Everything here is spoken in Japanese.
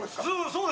そう。